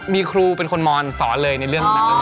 มีครูเป็นคนมอนสอนเลยในเรื่องนั้น